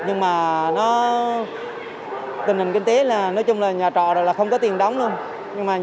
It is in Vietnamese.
nhưng mà nó tình hình kinh tế là nói chung là nhà trọ là không có tiền đóng luôn